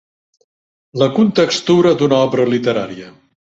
La contextura d'una obra literària.